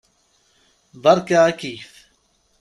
Beṛka akeyyef.